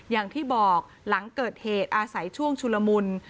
อย่างที่บอกหลังเกิดเหตุอาศัยช่วงชุลมุน